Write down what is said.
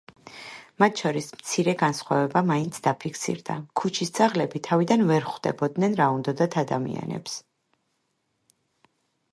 მათ შორის მცირე განსხვავება მაინც დაფიქსირდა: ქუჩის ძაღლები თავიდან ვერ ხვდებოდნენ, რა უნდოდათ ადამიანებს.